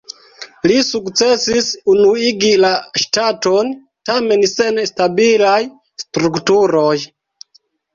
Li sukcesis unuigi la ŝtaton, tamen sen stabilaj strukturoj.